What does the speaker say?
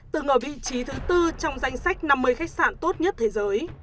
từng ở vị trí thứ tư trong danh sách năm mươi khách sạn tốt nhất thế giới